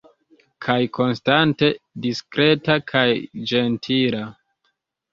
Kaj konstante diskreta kaj ĝentila.